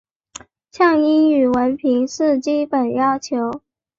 像英语文凭是基本要求。